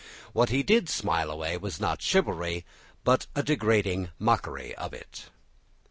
What he did smile away was not chivalry but a degrading mockery of it.